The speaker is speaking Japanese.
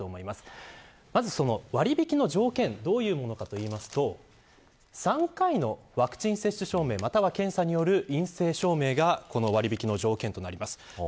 まず割引の条件どういうものかといいますと３回のワクチン接種証明、または検査による陰性証明が割引の条件となります。